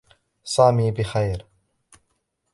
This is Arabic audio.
سامي بخير.